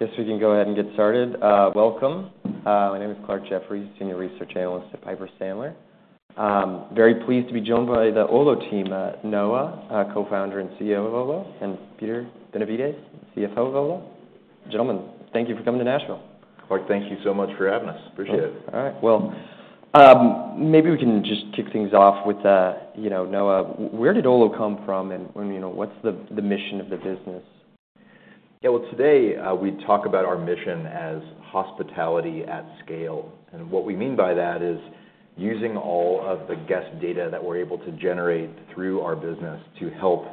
Guess we can go ahead and get started. Welcome. My name is Clarke Jeffries, Senior Research Analyst at Piper Sandler. Very pleased to be joined by the Olo team, Noah, Co-founder and CEO of Olo, and Peter Benevides, CFO of Olo. Gentlemen, thank you for coming to Nashville. Clark, thank you so much for having us. Appreciate it. All right. Well, maybe we can just kick things off with, you know, Noah, where did Olo come from, and you know, what's the mission of the business? Yeah, well, today we talk about our mission as hospitality at scale, and what we mean by that is using all of the guest data that we're able to generate through our business to help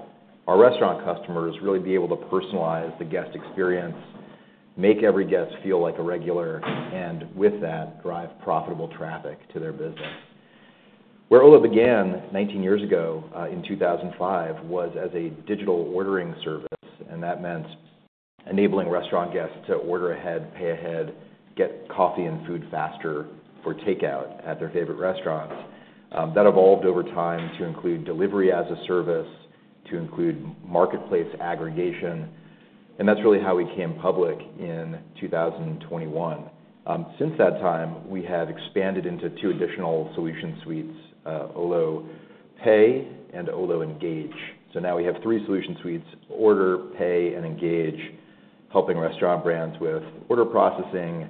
our restaurant customers really be able to personalize the guest experience, make every guest feel like a regular, and with that, drive profitable traffic to their business. Where Olo began nineteen years ago, in two thousand and five, was as a digital ordering service, and that meant enabling restaurant guests to order ahead, pay ahead, get coffee and food faster for takeout at their favorite restaurants. That evolved over time to include delivery as a service, to include marketplace aggregation, and that's really how we came public in two thousand and twenty-one. Since that time, we have expanded into two additional solution suites, Olo Pay and Olo Engage. So now we have three solution suites: Order, Pay, and Engage, helping restaurant brands with order processing,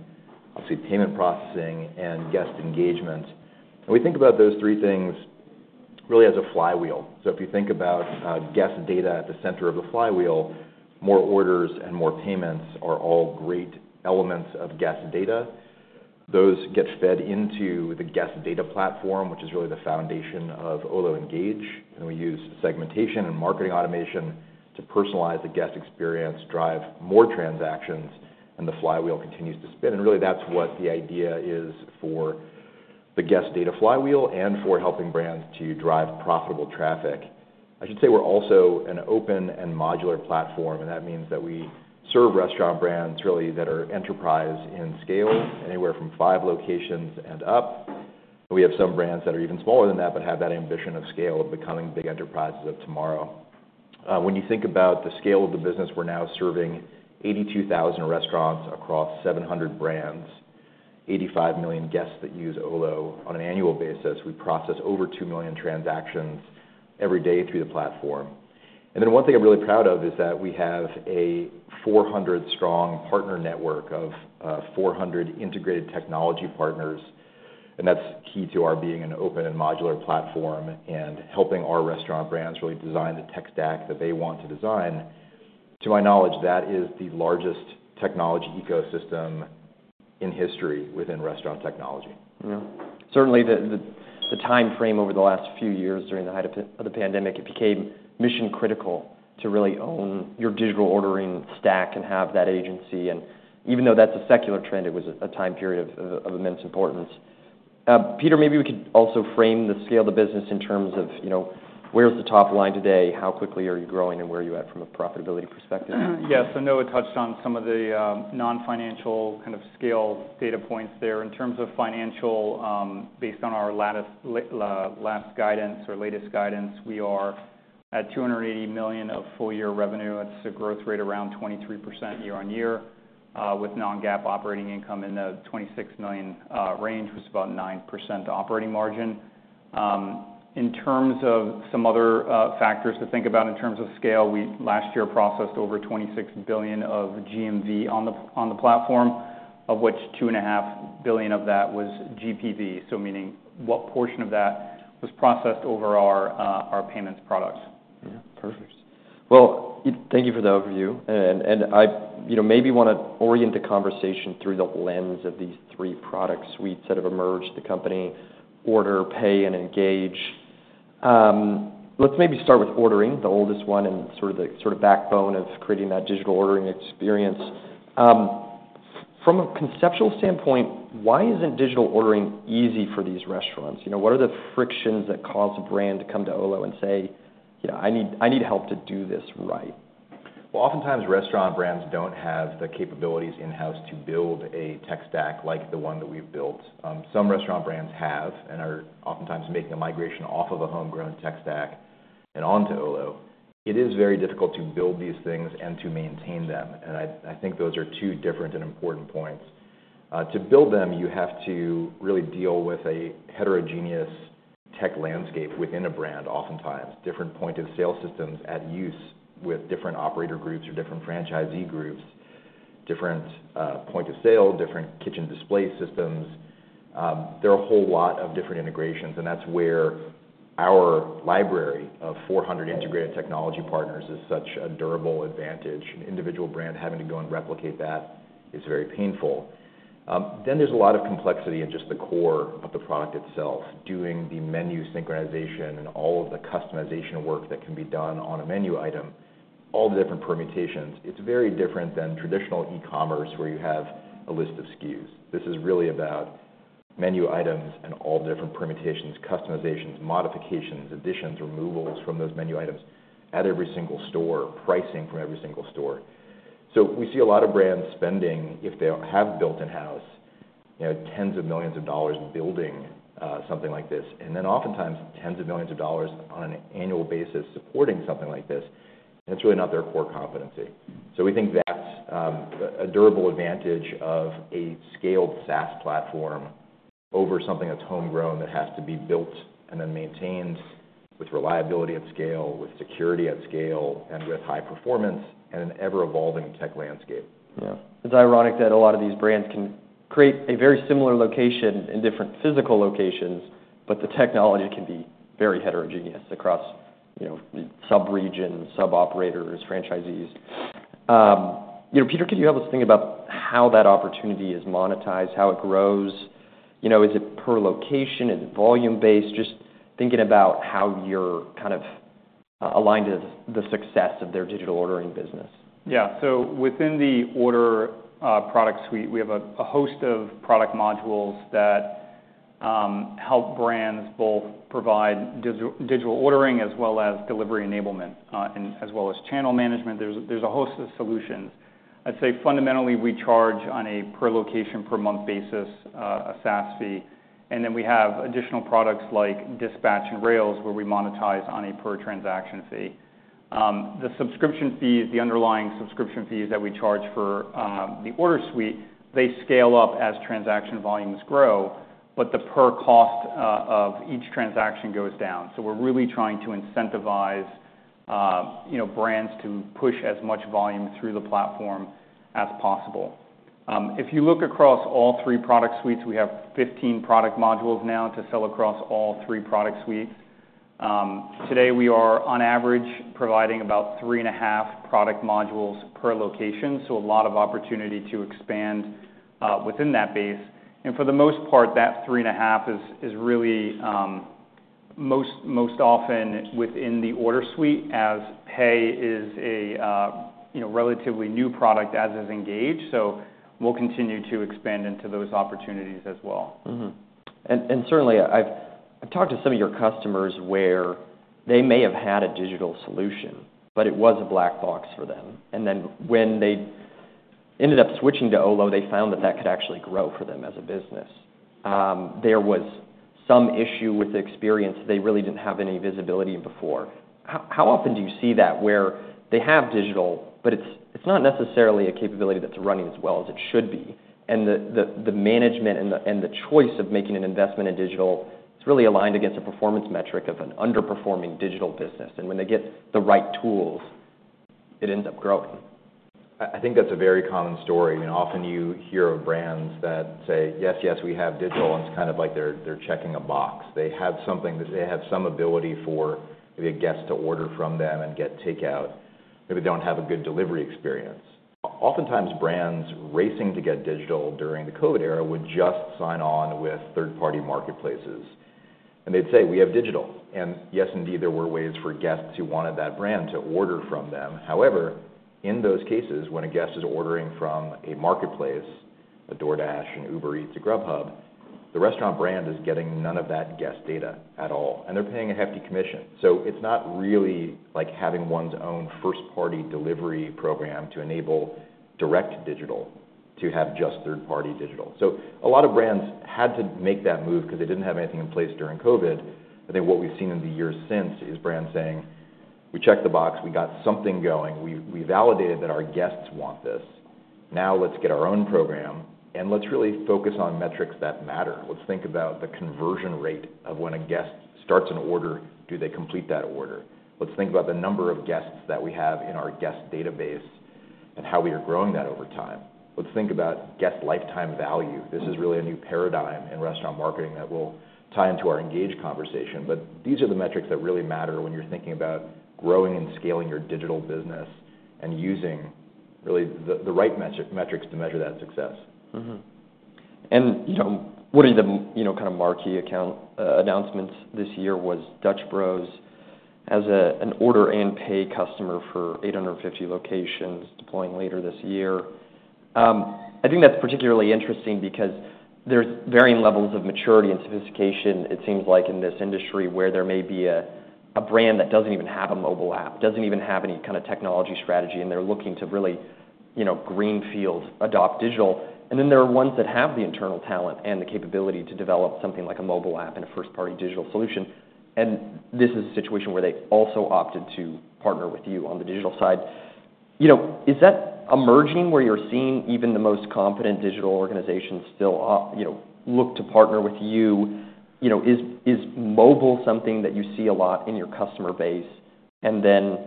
obviously, payment processing and guest engagement. And we think about those three things really as a flywheel. So if you think about, guest data at the center of the flywheel, more orders and more payments are all great elements of guest data. Those get fed into the guest data platform, which is really the foundation of Olo Engage, and we use segmentation and marketing automation to personalize the guest experience, drive more transactions, and the flywheel continues to spin. And really, that's what the idea is for the guest data flywheel and for helping brands to drive profitable traffic. I should say we're also an open and modular platform, and that means that we serve restaurant brands really that are enterprise in scale, anywhere from five locations and up. We have some brands that are even smaller than that, but have that ambition of scale, of becoming big enterprises of tomorrow. When you think about the scale of the business, we're now serving 82,000 restaurants across 700 brands, 85 million guests that use Olo on an annual basis. We process over 2 million transactions every day through the platform. One thing I'm really proud of is that we have a 400-strong partner network of 400 integrated technology partners, and that's key to our being an open and modular platform, and helping our restaurant brands really design the tech stack that they want to design. To my knowledge, that is the largest technology ecosystem in history within restaurant technology. Yeah. Certainly, the timeframe over the last few years during the height of the pandemic, it became mission critical to really own your digital ordering stack and have that agency. And even though that's a secular trend, it was a time period of immense importance. Peter, maybe we could also frame the scale of the business in terms of, you know, where's the top line today, how quickly are you growing, and where are you at from a profitability perspective? Yes, so Noah touched on some of the non-financial kind of scale data points there. In terms of financial, based on our latest guidance, we are at $280 million of full year revenue. It's a growth rate around 23% year on year, with non-GAAP operating income in the $26 million range, was about 9% operating margin. In terms of some other factors to think about in terms of scale, we last year processed over $26 billion of GMV on the platform, of which $2.5 billion of that was GPV. So meaning what portion of that was processed over our payments products. Yeah, perfect. Well, thank you for the overview. And I, you know, maybe wanna orient the conversation through the lens of these three product suites that have emerged, the company: Order, Pay, and Engage. Let's maybe start with Ordering, the oldest one, and sort of the backbone of creating that digital ordering experience. From a conceptual standpoint, why isn't digital ordering easy for these restaurants? You know, what are the frictions that cause a brand to come to Olo and say, "You know, I need, I need help to do this right? Oftentimes, restaurant brands don't have the capabilities in-house to build a tech stack like the one that we've built. Some restaurant brands have, and are oftentimes making a migration off of a homegrown tech stack and onto Olo. It is very difficult to build these things and to maintain them, and I think those are two different and important points. To build them, you have to really deal with a heterogeneous tech landscape within a brand, oftentimes. Different point-of-sale systems at use with different operator groups or different franchisee groups, different point-of-sale, different kitchen display systems. There are a whole lot of different integrations, and that's where our library of 400 integrated technology partners is such a durable advantage. An individual brand having to go and replicate that is very painful. Then there's a lot of complexity in just the core of the product itself, doing the menu synchronization and all of the customization work that can be done on a menu item, all the different permutations. It's very different than traditional e-commerce, where you have a list of SKUs. This is really about menu items and all different permutations, customizations, modifications, additions, removals from those menu items at every single store, pricing from every single store. So we see a lot of brands spending, if they have built in-house, you know, tens of millions of dollars building something like this, and then oftentimes, tens of millions of dollars on an annual basis supporting something like this, and it's really not their core competency. So we think that's a durable advantage of a scaled SaaS platform over something that's homegrown, that has to be built and then maintained with reliability at scale, with security at scale, and with high performance, and an ever-evolving tech landscape. Yeah. It's ironic that a lot of these brands can create a very similar location in different physical locations, but the technology can be very heterogeneous across, you know, sub-regions, sub-operators, franchisees. You know, Peter, can you help us think about how that opportunity is monetized, how it grows? You know, is it per location? Is it volume-based? Just thinking about how you're kind of aligned to the success of their digital ordering business. Yeah. So within the Order product suite, we have a host of product modules that help brands both provide digital ordering as well as delivery enablement and as well as channel management. There's a host of solutions. I'd say fundamentally, we charge on a per location, per month basis a SaaS fee, and then we have additional products like Dispatch and Rails, where we monetize on a per transaction fee. The subscription fees, the underlying subscription fees that we charge for the Order suite, they scale up as transaction volumes grow, but the per cost of each transaction goes down. So we're really trying to incentivize you know, brands to push as much volume through the platform as possible. If you look across all three product suites, we have 15 product modules now to sell across all three product suites. Today, we are, on average, providing about three and a half product modules per location, so a lot of opportunity to expand within that base. For the most part, that three and a half is really most often within the order suite, as pay is a, you know, relatively new product as is Engage. So we'll continue to expand into those opportunities as well. Mm-hmm. And certainly, I've talked to some of your customers where they may have had a digital solution, but it was a black box for them. And then when they ended up switching to Olo, they found that that could actually grow for them as a business. There was some issue with the experience. They really didn't have any visibility before. How often do you see that, where they have digital, but it's not necessarily a capability that's running as well as it should be, and the management and the choice of making an investment in digital, it's really aligned against a performance metric of an underperforming digital business, and when they get the right tools, it ends up growing? I think that's a very common story. I mean, often you hear of brands that say, "Yes, yes, we have digital," and it's kind of like they're checking a box. They have something, they have some ability for the guests to order from them and get takeout, but they don't have a good delivery experience. Oftentimes, brands racing to get digital during the COVID era would just sign on with third-party marketplaces, and they'd say, "We have digital." And yes, indeed, there were ways for guests who wanted that brand to order from them. However, in those cases, when a guest is ordering from a marketplace, a DoorDash, an Uber Eats, a Grubhub, the restaurant brand is getting none of that guest data at all, and they're paying a hefty commission. It's not really like having one's own first-party delivery program to enable direct digital, to have just third-party digital. A lot of brands had to make that move 'cause they didn't have anything in place during COVID. I think what we've seen in the years since is brands saying, "We checked the box. We got something going. We, we validated that our guests want this. Now, let's get our own program, and let's really focus on metrics that matter. Let's think about the conversion rate of when a guest starts an order, do they complete that order? Let's think about the number of guests that we have in our guest database and how we are growing that over time. Let's think about guest lifetime value. Mm-hmm. This is really a new paradigm in restaurant marketing that will tie into our Engage conversation. But these are the metrics that really matter when you're thinking about growing and scaling your digital business and using really the right metrics to measure that success. Mm-hmm. You know, one of the, you know, kind of marquee account announcements this year was Dutch Bros as an order and pay customer for eight hundred and fifty locations deploying later this year. I think that's particularly interesting because there's varying levels of maturity and sophistication, it seems like in this industry, where there may be a brand that doesn't even have a mobile app, doesn't even have any kind of technology strategy, and they're looking to really, you know, greenfield adopt digital. And then there are ones that have the internal talent and the capability to develop something like a mobile app and a first-party digital solution, and this is a situation where they also opted to partner with you on the digital side. You know, is that emerging, where you're seeing even the most competent digital organizations still, you know, look to partner with you? You know, is mobile something that you see a lot in your customer base? And then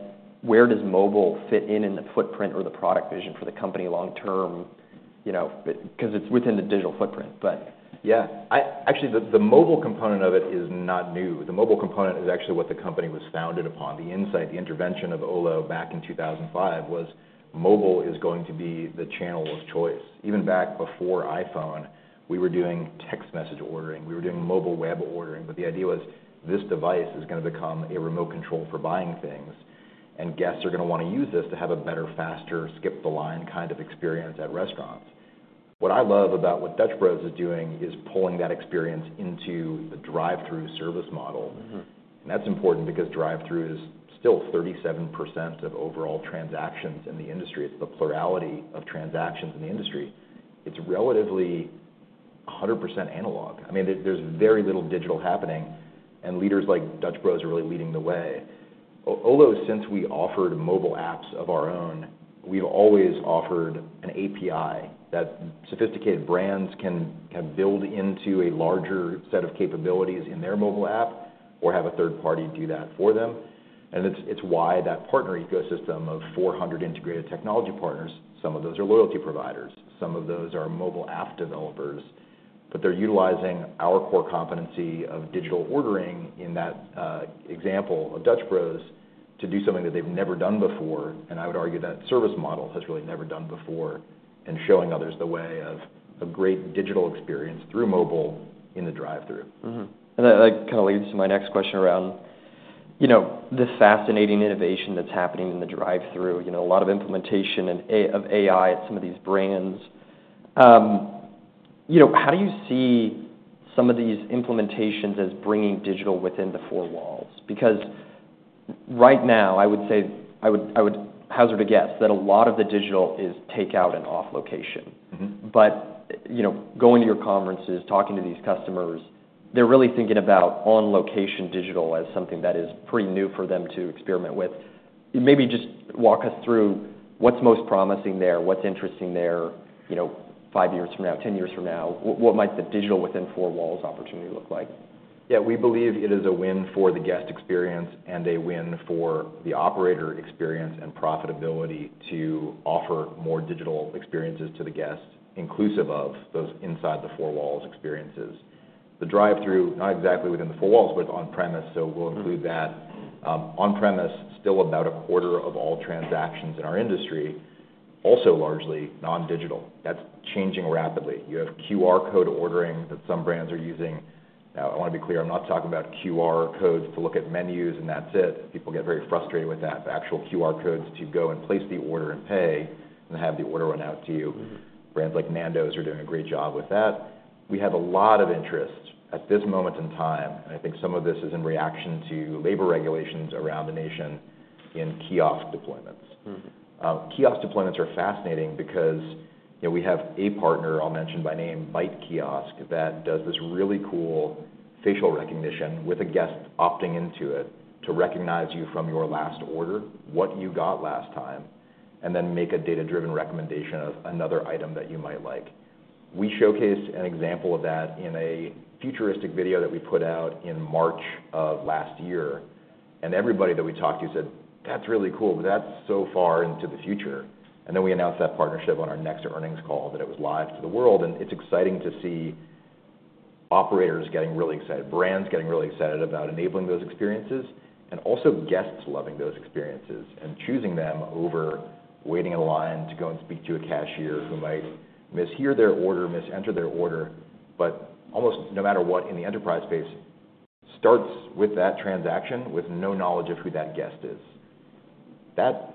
where does mobile fit in the footprint or the product vision for the company long term? You know, 'cause it's within the digital footprint, but- Yeah. Actually, the mobile component of it is not new. The mobile component is actually what the company was founded upon. The insight, the intervention of Olo back in 2005, was mobile is going to be the channel of choice. Even back before iPhone, we were doing text message ordering, we were doing mobile web ordering, but the idea was, this device is gonna become a remote control for buying things, and guests are gonna wanna use this to have a better, faster, skip-the-line kind of experience at restaurants. What I love about what Dutch Bros is doing is pulling that experience into the drive-thru service model. Mm-hmm. And that's important because drive-thru is still 37% of overall transactions in the industry. It's the plurality of transactions in the industry. It's hundred percent analog. I mean, there, there's very little digital happening, and leaders like Dutch Bros are really leading the way. Olo, since we offered mobile apps of our own, we've always offered an API that sophisticated brands can build into a larger set of capabilities in their mobile app or have a third party do that for them. And it's why that partner ecosystem of 400 integrated technology partners, some of those are loyalty providers, some of those are mobile app developers, but they're utilizing our core competency of digital ordering in that example of Dutch Bros, to do something that they've never done before. I would argue that the service model has really never been done before, and showing others the way of a great digital experience through mobile in the drive-thru. Mm-hmm. And that, like, kind of leads to my next question around, you know, this fascinating innovation that's happening in the drive-thru. You know, a lot of implementation and application of AI at some of these brands. You know, how do you see some of these implementations as bringing digital within the four walls? Because right now, I would hazard a guess that a lot of the digital is take out and off location. Mm-hmm. But, you know, going to your conferences, talking to these customers, they're really thinking about on-location digital as something that is pretty new for them to experiment with. Maybe just walk us through what's most promising there, what's interesting there, you know, five years from now, ten years from now, what might the digital within four walls opportunity look like? Yeah, we believe it is a win for the guest experience and a win for the operator experience and profitability to offer more digital experiences to the guests, inclusive of those inside the four walls experiences. The drive-thru, not exactly within the four walls, but on premise, so we'll- Mm-hmm... include that. On-premise, still about a quarter of all transactions in our industry, also largely non-digital. That's changing rapidly. You have QR code ordering that some brands are using. Now, I want to be clear, I'm not talking about QR codes to look at menus, and that's it. People get very frustrated with that, but actual QR codes to go and place the order and pay and have the order run out to you. Mm-hmm. Brands like Nando's are doing a great job with that. We have a lot of interest at this moment in time, and I think some of this is in reaction to labor regulations around the nation in kiosk deployments. Mm-hmm. Kiosk deployments are fascinating because, you know, we have a partner, I'll mention by name, Bite Kiosk, that does this really cool facial recognition with a guest opting into it, to recognize you from your last order, what you got last time, and then make a data-driven recommendation of another item that you might like. We showcased an example of that in a futuristic video that we put out in March of last year, and everybody that we talked to said, "That's really cool, but that's so far into the future." And then we announced that partnership on our next earnings call, that it was live to the world, and it's exciting to see operators getting really excited, brands getting really excited about enabling those experiences, and also guests loving those experiences and choosing them over waiting in a line to go and speak to a cashier who might mishear their order, misenter their order. But almost no matter what, in the enterprise space, starts with that transaction with no knowledge of who that guest is. That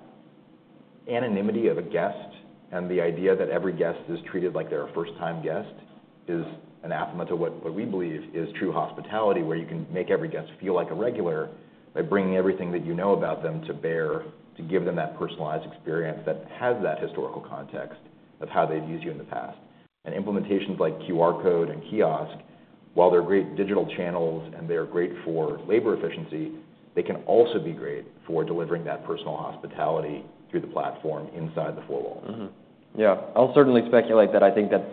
anonymity of a guest and the idea that every guest is treated like they're a first-time guest is anathema to what we believe is true hospitality, where you can make every guest feel like a regular by bringing everything that you know about them to bear, to give them that personalized experience that has that historical context of how they've used you in the past. And implementations like QR code and kiosk, while they're great digital channels and they are great for labor efficiency, they can also be great for delivering that personal hospitality through the platform inside the four walls. Yeah, I'll certainly speculate that I think that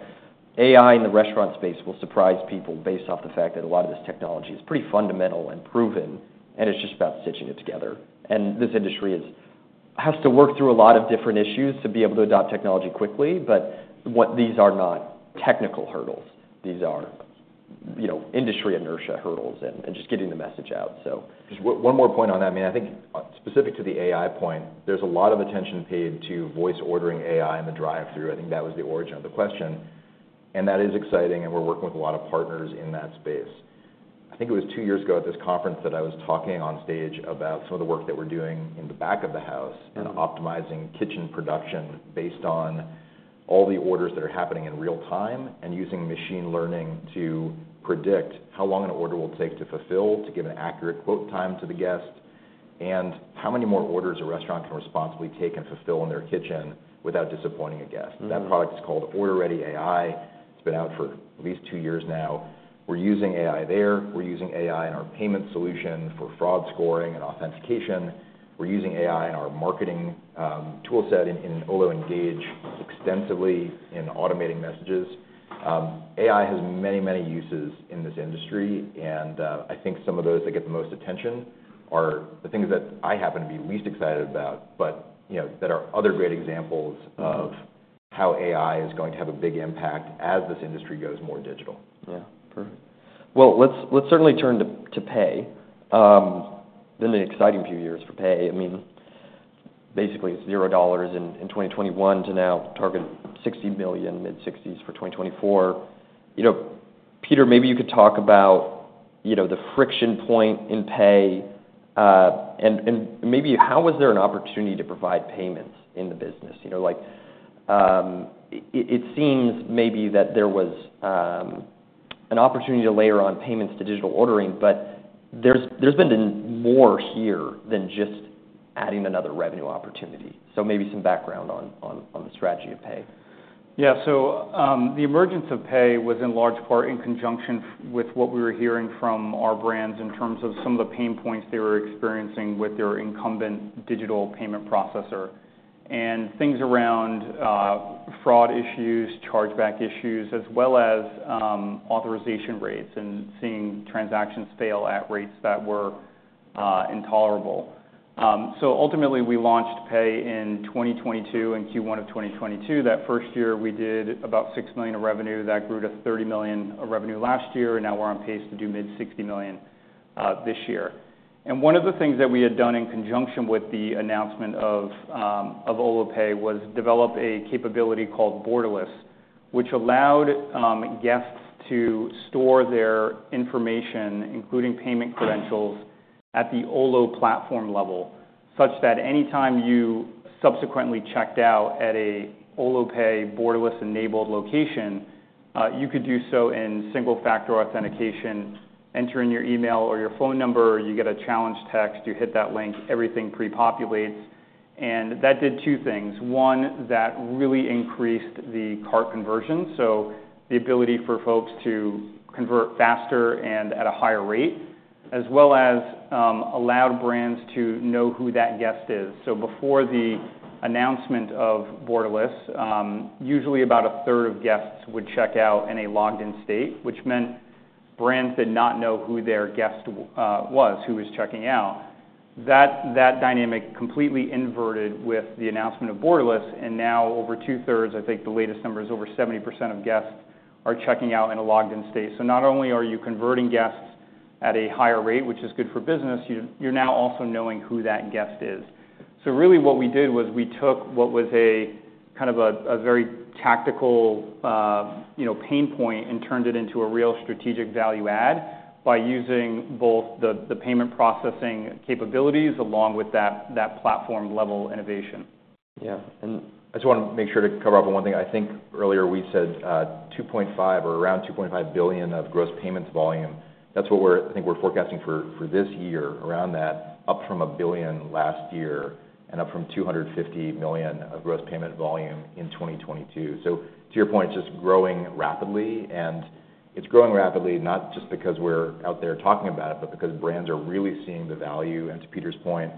AI in the restaurant space will surprise people based off the fact that a lot of this technology is pretty fundamental and proven, and it's just about stitching it together. And this industry has to work through a lot of different issues to be able to adopt technology quickly, but these are not technical hurdles. These are, you know, industry inertia hurdles and just getting the message out, so. Just one more point on that. I mean, I think specific to the AI point, there's a lot of attention paid to voice ordering AI in the drive-thru. I think that was the origin of the question. And that is exciting, and we're working with a lot of partners in that space. I think it was two years ago at this conference that I was talking on stage about some of the work that we're doing in the back of the house. Mm-hmm... and optimizing kitchen production based on all the orders that are happening in real time, and using machine learning to predict how long an order will take to fulfill, to give an accurate quote time to the guest, and how many more orders a restaurant can responsibly take and fulfill in their kitchen without disappointing a guest. Mm-hmm. That product is called OrderReady AI. It's been out for at least two years now. We're using AI there. We're using AI in our payment solution for fraud scoring and authentication. We're using AI in our marketing tool set in Olo Engage extensively in automating messages. AI has many, many uses in this industry, and I think some of those that get the most attention are the things that I happen to be least excited about, but you know, there are other great examples- Mm-hmm... of how AI is going to have a big impact as this industry goes more digital. Yeah, perfect. Well, let's certainly turn to pay. Been an exciting few years for pay. I mean, basically, it's $0 in 2021 to now target $60 million, mid-$60s for 2024. You know, Peter, maybe you could talk about, you know, the friction point in pay, and maybe how was there an opportunity to provide payments in the business? You know, like, it seems maybe that there was an opportunity to layer on payments to digital ordering, but there's been more here than just adding another revenue opportunity. So maybe some background on the strategy of Pay. Yeah. So, the emergence of Pay was in large part in conjunction with what we were hearing from our brands in terms of some of the pain points they were experiencing with their incumbent digital payment processor. And things around, fraud issues, chargeback issues, as well as, authorization rates, and seeing transactions fail at rates that were, intolerable. So ultimately, we launched Pay in twenty twenty-two, in Q1 of twenty twenty-two. That first year, we did about $6 million of revenue. That grew to $30 million of revenue last year, and now we're on pace to do mid-$60 million, this year. One of the things that we had done in conjunction with the announcement of Olo Pay was develop a capability called Borderless, which allowed guests to store their information, including payment credentials, at the Olo platform level, such that any time you subsequently checked out at a Olo Pay Borderless-enabled location, you could do so in single-factor authentication, enter in your email or your phone number, you get a challenge text, you hit that link, everything prepopulates. That did two things: One, that really increased the cart conversion, so the ability for folks to convert faster and at a higher rate, as well as allowed brands to know who that guest is. So before the announcement of Borderless, usually about a third of guests would check out in a logged-in state, which meant brands did not know who their guest was, who was checking out. That dynamic completely inverted with the announcement of Borderless, and now over two-thirds, I think the latest number is over 70% of guests, are checking out in a logged-in state. So not only are you converting guests at a higher rate, which is good for business, you're now also knowing who that guest is. So really, what we did was we took what was kind of a very tactical, you know, pain point and turned it into a real strategic value add by using both the payment processing capabilities along with that platform-level innovation. Yeah. And I just want to make sure to cover up on one thing. I think earlier we said two point five or around 2.5 billion of gross payment volume. That's what we're forecasting for this year, around that, up from $1 billion last year and up from $250 million of gross payment volume in 2022. So to your point, just growing rapidly, and it's growing rapidly not just because we're out there talking about it, but because brands are really seeing the value, and to Peter's point,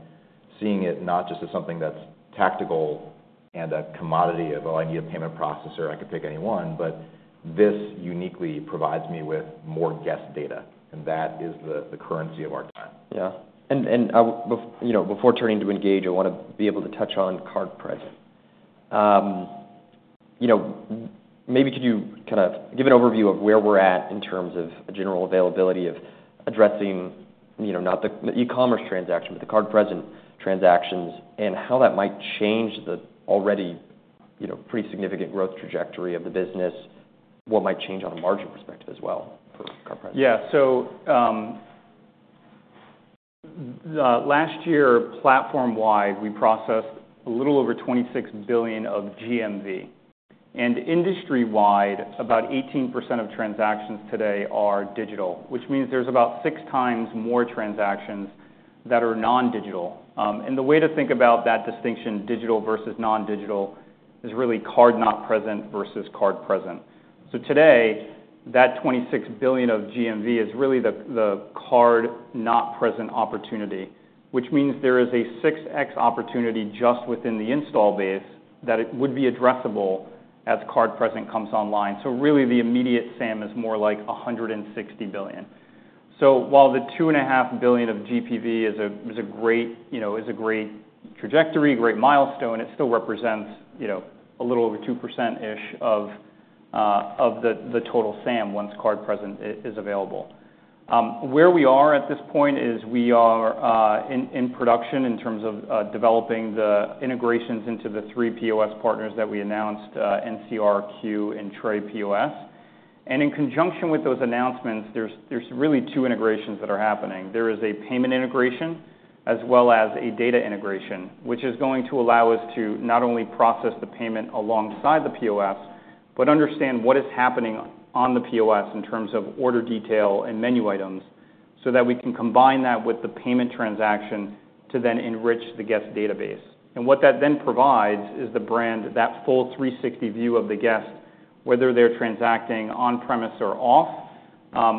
seeing it not just as something that's tactical and a commodity of, "Oh, I need a payment processor, I could pick any one," but, "This uniquely provides me with more guest data," and that is the currency of our time. You know, before turning to Engage, I wanna be able to touch on card present. You know, maybe could you kind of give an overview of where we're at in terms of a general availability of addressing, you know, not the e-commerce transaction, but the card-present transactions, and how that might change the already, you know, pretty significant growth trajectory of the business? What might change on a margin perspective as well for card present? Yeah. So, last year, platform-wide, we processed a little over $26 billion of GMV. Industry-wide, about 18% of transactions today are digital, which means there's about six times more transactions that are non-digital. And the way to think about that distinction, digital versus non-digital, is really card not present versus card present. So today, that $26 billion of GMV is really the card not present opportunity, which means there is a 6X opportunity just within the install base, that it would be addressable as card present comes online. So really, the immediate SAM is more like $160 billion. So while the $2.5 billion of GPV is a, is a great, you know, is a great trajectory, great milestone, it still represents, you know, a little over 2%-ish of the total SAM, once card present is available. Where we are at this point is we are in production in terms of developing the integrations into the three POS partners that we announced, NCR, Qu, and Toast POS. And in conjunction with those announcements, there's really two integrations that are happening. There is a payment integration, as well as a data integration, which is going to allow us to not only process the payment alongside the POS, but understand what is happening on the POS in terms of order detail and menu items, so that we can combine that with the payment transaction to then enrich the guest database, and what that then provides is the brand, that full three sixty view of the guest, whether they're transacting on premise or off,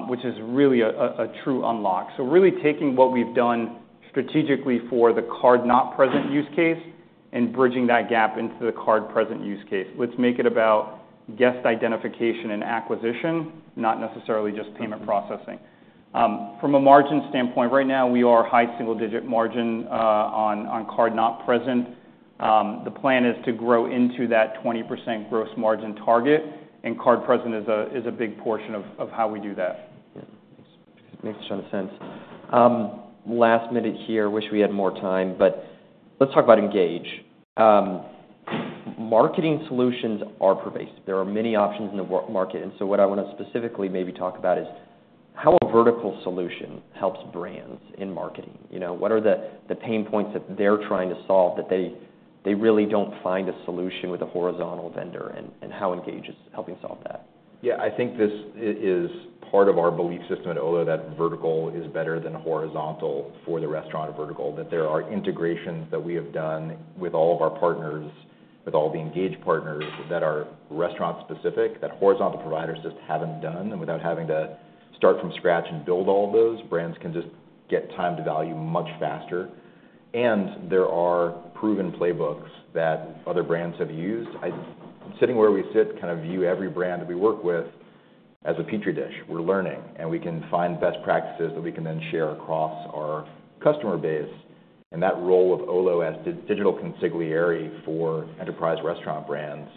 which is really a true unlock, so really taking what we've done strategically for the card not present use case, and bridging that gap into the card present use case. Let's make it about guest identification and acquisition, not necessarily just payment processing. From a margin standpoint, right now, we are high single-digit margin on card not present. The plan is to grow into that 20% gross margin target, and card present is a big portion of how we do that. Yeah, makes a ton of sense. Last minute here, wish we had more time, but let's talk about Engage. Marketing solutions are pervasive. There are many options in the world market, and so what I wanna specifically maybe talk about is, how a vertical solution helps brands in marketing. You know, what are the pain points that they're trying to solve that they really don't find a solution with a horizontal vendor, and how Engage is helping solve that? Yeah, I think this is part of our belief system at Olo, that vertical is better than horizontal for the restaurant vertical. That there are integrations that we have done with all of our partners, with all the Engage partners, that are restaurant-specific, that horizontal providers just haven't done, and without having to start from scratch and build all of those, brands can just get time to value much faster. And there are proven playbooks that other brands have used. Sitting where we sit, kind of view every brand that we work with as a Petri dish. We're learning, and we can find best practices that we can then share across our customer base. That role of Olo as digital consigliere for enterprise restaurant brands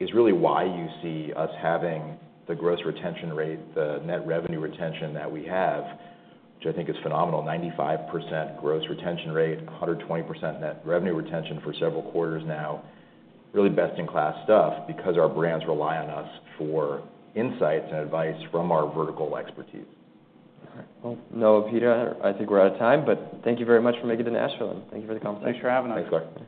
is really why you see us having the gross retention rate, the net revenue retention that we have, which I think is phenomenal. 95% gross retention rate, 120% net revenue retention for several quarters now. Really best-in-class stuff, because our brands rely on us for insights and advice from our vertical expertise. All right. Well, Noah, Peter, I think we're out of time, but thank you very much for making it to Nashville, and thank you for the conversation. Thanks for having us. Thanks, guys.